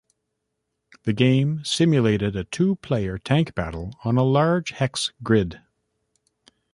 The game simulated a two-player tank battle on a large hex grid.